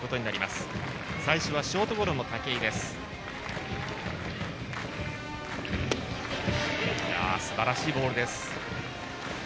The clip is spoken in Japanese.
すばらしいボールです。